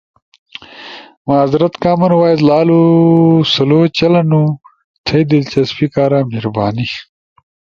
معذرت، کامن وائس لالو سلو چلنو، تھئی دلچسپی کارا مہربانی۔